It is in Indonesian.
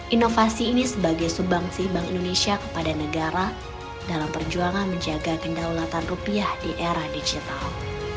inovasi ini sebagai subangsi bank indonesia kepada negara dalam perjuangan menjaga kedaulatan rupiah di era digital